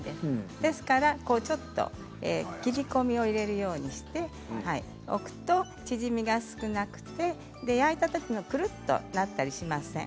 ですからちょっと切り込みを入れるようにしておくと縮みが少なくて焼いたときにくるっとなったりしません。